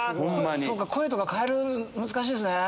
そうか声とか変える難しいですね。